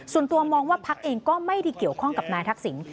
ส่วนตัวมองว่าพักเองก็ไม่ได้เกี่ยวข้องกับนายทักษิณ